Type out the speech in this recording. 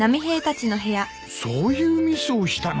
そういうミスをしたのか。